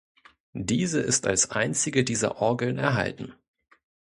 Diese ist als einzige dieser Orgeln erhalten.